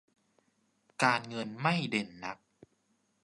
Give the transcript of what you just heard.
การเงินไม่เด่นนัก